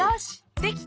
できた！